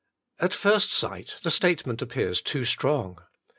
At first sight the statement appears too strong.